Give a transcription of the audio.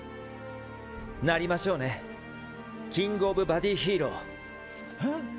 なりましょうねキング・オブ・バディヒーロー。へ？？